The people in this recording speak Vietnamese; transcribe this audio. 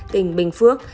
tình bình phước